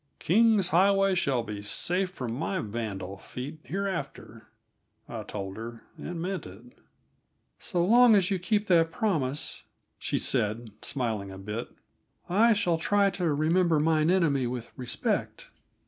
"King's Highway shall be safe from my vandal feet hereafter," I told her, and meant it. "So long as you keep that promise," she said, smiling a bit, "I shall try to remember mine enemy with respect."